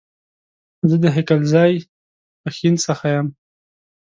زه د هيکلزئ ، پښين سخه يم